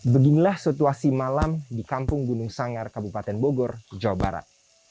beginilah situasi malam di kampung gunung sanggar kabupaten bogor jawa barat